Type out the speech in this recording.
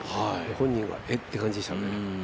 本人はえっ、て感じでしたね。